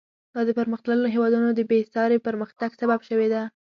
دا د پرمختللو هېوادونو د بېساري پرمختګ سبب شوې ده.